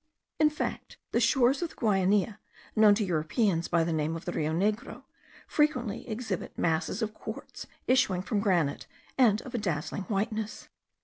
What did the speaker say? In fact, the shores of the Guainia, known to Europeans by the name of the Rio Negro, frequently exhibit masses of quartz issuing from granite, and of a dazzling whiteness.